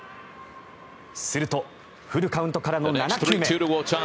すると、フルカウントからの７球目。